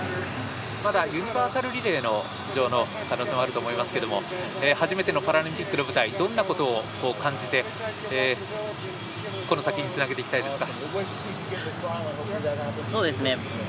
まだユニバーサルリレーの出場の可能性もあると思いますけれども初めてのパラリンピックの舞台どんなことを感じてこの先につなげていきたいですか。